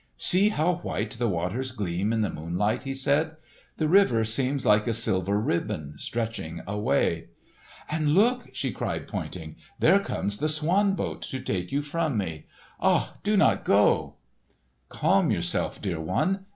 "See how white the waters gleam in the moonlight!" he said. "The river seems like a silver ribbon stretching away." "And look!" she cried pointing. "There comes the swan boat to take you from me! Ah, do not go!" "Calm yourself, dear one!